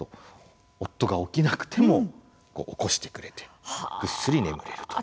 夫が起きなくても起こしてくれてぐっすり眠れると。